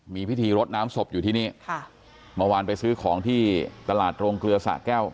มีพิธีรดน้ำศพอยู่ที่นี่ค่ะเมื่อวานไปซื้อของที่ตลาดโรงเกลือสะแก้ว